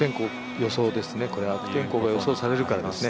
悪天候が予想されるからですね。